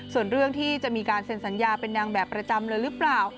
ส่วนเรื่องที่จะมีการเซ็นสัญญาเป็นนางแบบประจำเลยหรือเปล่า